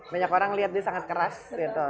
banyak orang lihat dia sangat keras gitu